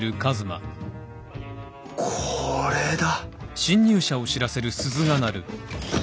これだ！